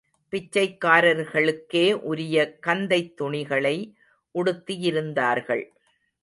பிச்சைக்காரர்களுக்கே உரிய கந்தைத் துணிகளை உடுத்தியிருந்தார்கள்.